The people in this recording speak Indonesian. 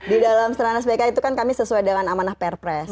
di dalam seranas bk itu kan kami sesuai dengan amanah perpres